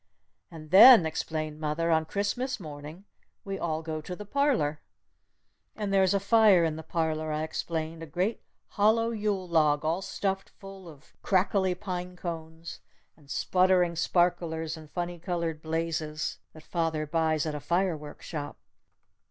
"And then," explained mother, "on Christmas morning we all go to the parlor!" "And there's a fire in the parlor!" I explained. "A great hollow Yule log all stuffed full of crackly pine cones and sputtering sparkers and funny colored blazes that father buys at a fireworks shop!